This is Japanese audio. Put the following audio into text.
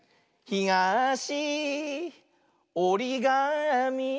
ひがしおりがみ。